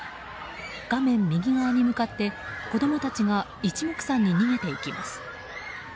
画面右側に向かって子供たちが一目散に逃げていきます。